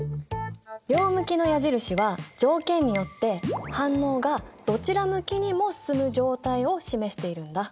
両向きの矢印は条件によって反応がどちら向きにも進む状態を示しているんだ。